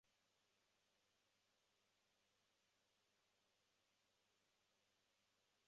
印度野驴是栖息在南亚的亚洲野驴亚种。